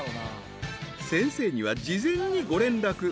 ［先生には事前にご連絡］